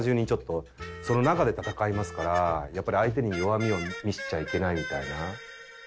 その中で戦いますからやっぱり相手に弱みを見せちゃいけないみたいな。